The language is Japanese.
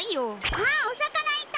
あっお魚いた！